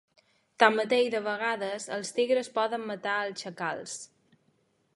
Tanmateix de vegades els tigres poden matar els xacals.